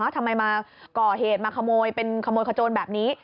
ทำไมมาก่อเหตุมาขโมยเป็นขโมยขโจนแบบนี้